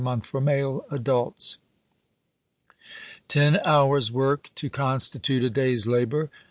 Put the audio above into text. month for male adults ; ten hours' work to consti tute a day's labor.